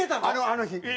あの日。